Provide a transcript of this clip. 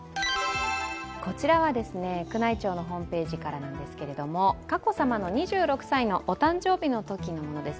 こちらは宮内庁のホームページからですが、佳子さまの２６歳のお誕生日のときのものです。